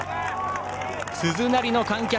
鈴なりの観客。